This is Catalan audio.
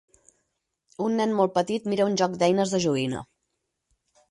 Un nen molt petit mira un joc d'eines de joguina.